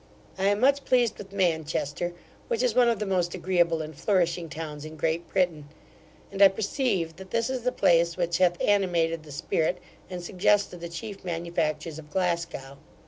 I am much pleased with Manchester, which is one of the most agreeable and flourishing towns in Great Britain; and I perceive that this is the place which hath animated the spirit, and suggested the chief manufactures of Glasgow.